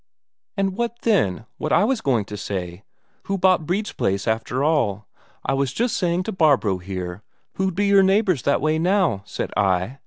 And what then? What I was going to say: Who bought Brede's place, after all? I was just saying to Barbro here, who'd be your neighbours that way now? said I.